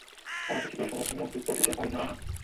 আমরা পৃথিবীর সবাইকে মরতে তো দিতে পারি না, তাই না?